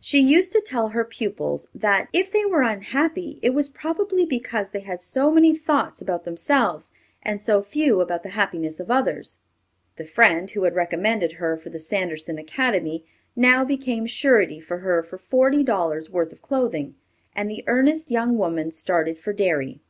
She used to tell her pupils that "if they were unhappy, it was probably because they had so many thoughts about themselves, and so few about the happiness of others." The friend who had recommended her for the Sanderson Academy now became surety for her for forty dollars' worth of clothing, and the earnest young woman started for Derry.